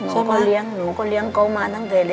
หลานของน้า